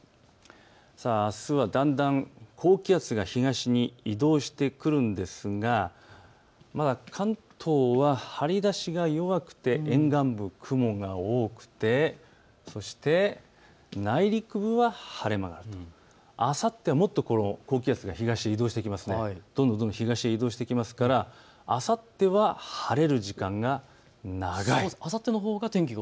あすはだんだん高気圧が東に移動してくるんですがまだ関東は張り出しが弱くて沿岸部、雲が多くてそして内陸部は晴れ間があると、あさってはもっと高気圧が東へ移動してきますから、あさっては晴れる時間が長い。